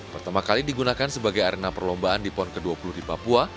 pertama kali digunakan sebagai arena perlombaan di pon ke dua puluh di papua